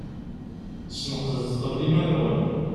Sneqdet qbel iman-nwen.